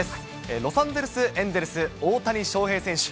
ロサンゼルスエンゼルス、大谷翔平選手。